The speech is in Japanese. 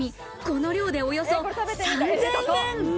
この量でおよそ３０００円。